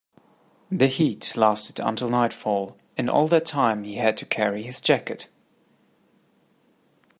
The heat lasted until nightfall, and all that time he had to carry his jacket.